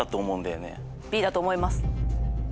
Ｂだと思います。